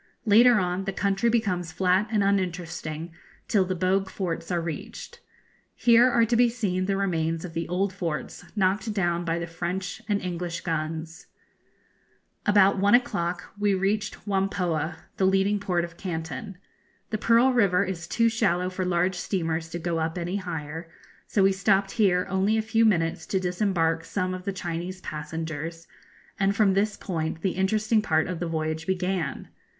Later on the country becomes flat and uninteresting till the Bogue Forts are reached. Here are to be seen the remains of the old forts knocked down by the French and English guns. [Illustration: Bogue Forts.] About one o'clock we reached Whampoa, the leading port of Canton. The Pearl River is too shallow for large steamers to go up any higher; so we stopped here only a few minutes to disembark some of the Chinese passengers, and from this point the interesting part of the voyage began.